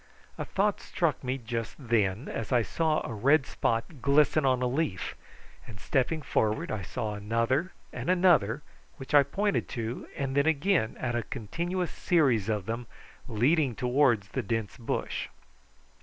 A thought struck me just then as I saw a red spot glisten on a leaf, and stepping forward I saw another and another, which I pointed to, and then again at a continuous series of them leading towards the dense bush.